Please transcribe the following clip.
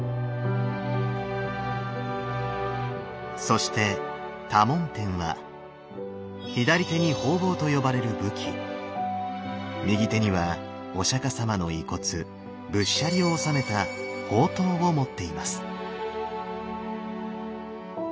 そして多聞天は左手に宝棒と呼ばれる武器右手にはお釈様の遺骨仏舎利を納めた宝塔を持っています。